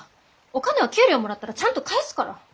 お金は給料もらったらちゃんと返すから。